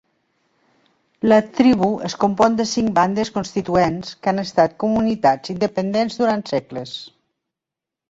La tribu es compon de cinc bandes constituents, que han estat comunitats independents durant segles.